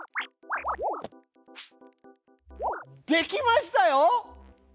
できましたよ！